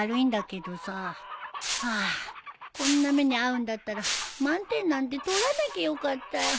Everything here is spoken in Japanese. ハアこんな目に遭うんだったら満点なんて取らなきゃよかったよ。